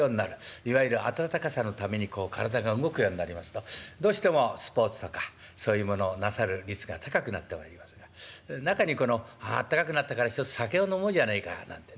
いわゆる暖かさのためにこう体が動くようになりますとどうしてもスポーツとかそういうものをなさる率が高くなってまいりますが中にこのあったかくなったからひとつ酒を飲もうじゃないかなんてね